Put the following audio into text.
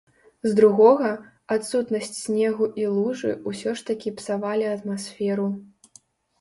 З другога, адсутнасць снегу і лужы ўсё ж такі псавалі атмасферу.